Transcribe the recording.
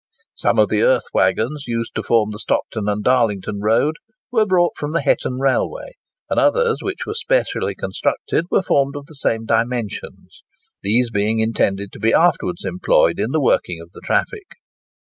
Some of the earth waggons used to form the Stockton and Darlington road were brought from the Hetton railway; and others which were specially constructed were formed of the same dimensions, these being intended to be afterwards employed in the working of the traffic.